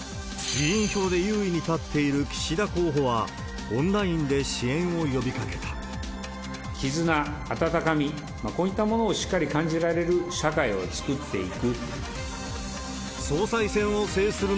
議員票で優位に立っている岸田候補は、絆、温かみ、こういったものをしっかり感じられる社会を作っていく。